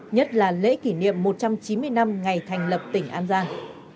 nhất là lễ kỷ niệm một trăm chín mươi năm ngày thành lập tỉnh an giang